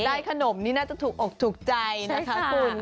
ได้ขนมนี่น่าจะถูกอกถูกใจนะคะคุณ